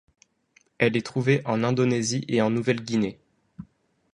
Elle est trouvée en Indonésie et en Nouvelle-Guinée.